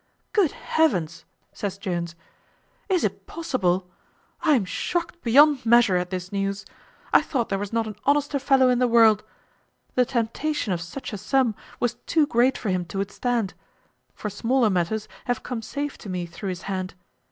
"Good Heaven!" says Jones, "is it possible? I am shocked beyond measure at this news. I thought there was not an honester fellow in the world. The temptation of such a sum was too great for him to withstand; for smaller matters have come safe to me through his hand.